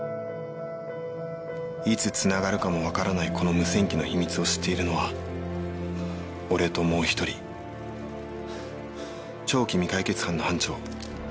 いつつながるかもわからないこの無線機の秘密を知っているのは俺ともう１人長期未解決班の班長